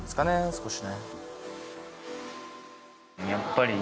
少しね